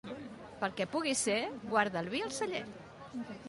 Pel que pugui ser, guarda el vi al celler.